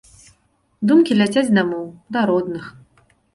Думкі ляцяць дамоў, да родных.